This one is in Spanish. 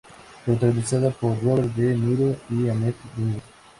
Protagonizada por Robert De Niro y Annette Bening.